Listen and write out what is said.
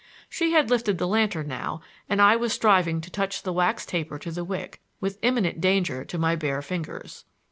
She had lifted the lantern now, and I was striving to touch the wax taper to the wick, with imminent danger to my bare fingers.